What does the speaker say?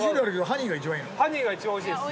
ハニーが一番おいしいです